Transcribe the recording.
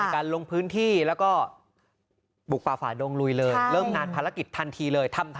การลงพื้นที่แล้วก็บุกป่าฝ่าดงลุยเลยเริ่มงานภารกิจทันทีเลย